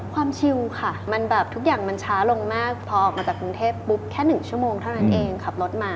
ชิลค่ะมันแบบทุกอย่างมันช้าลงมากพอออกมาจากกรุงเทพปุ๊บแค่๑ชั่วโมงเท่านั้นเองขับรถมา